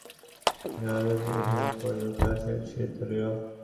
ললিতা স্টীমারে উঠিয়া পড়িল– খালাসি সিঁড়ি তুলিয়া লইল।